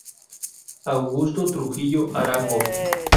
Augusto Trujillo Arango.